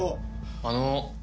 あの。